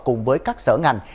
cùng với các sở ngành